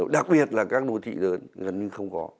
đặc biệt là các đô thị lớn gần như không có